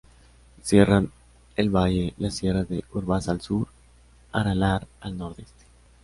Cierran el valle las sierras de Urbasa al sur., Aralar al nordeste.